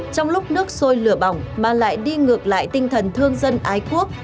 trong lúc nước sôi lửa bỏng mà lại đi ngược lại tinh thần thương dân ái quốc